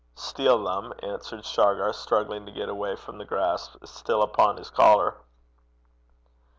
'Steal them,' answered Shargar, struggling to get away from the grasp still upon his collar.